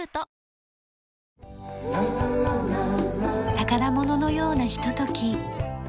宝物のようなひととき。